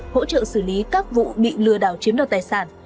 hỗ trợ xử lý các vụ bị lừa đảo chiếm đoạt tài sản